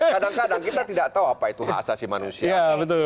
kadang kadang kita tidak tahu apa itu hak asasi manusia